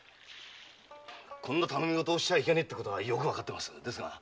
こんな頼みごとをしちゃいけねえってことはよくわかってます。